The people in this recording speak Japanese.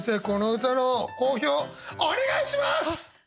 この歌の講評お願いします！